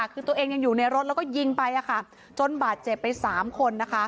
คือตัวเองยังอยู่ในรถแล้วก็ยิงไปจนบาดเจ็บไป๓คนนะคะ